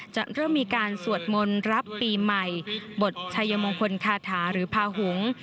จะเริ่มมีการสวดมนต์รับปีใหม่บทชัยมงคลคาถาหรือพาหงษ์